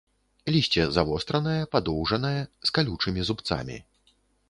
Лісце завостранае, падоўжанае, з калючымі зубцамі.